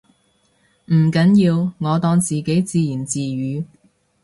唔緊要，我當自己自言自語